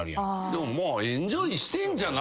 でもエンジョイしてんじゃないの？